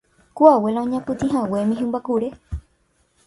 ku abuela oñapytĩhaguémi hymba kure